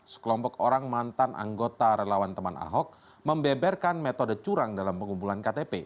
sekelompok orang mantan anggota relawan teman ahok membeberkan metode curang dalam pengumpulan ktp